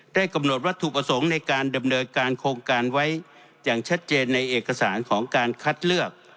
กำหนดวัตถุประสงค์ในการดำเนินการโครงการไว้อย่างชัดเจนในเอกสารของการคัดเลือก